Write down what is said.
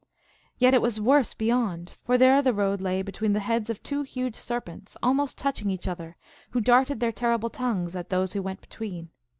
Yet it was worse beyond, for there the road lay between the heads of two huge serpents, almost touching each other, who darted their terrible tongues at those who went between.